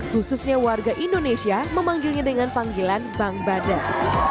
khususnya warga indonesia memanggilnya dengan panggilan bang badar